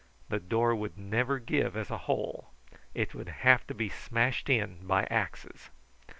The door would never give as a whole; it would have to be smashed in by axes.